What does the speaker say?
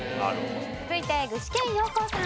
続いて具志堅用高さん。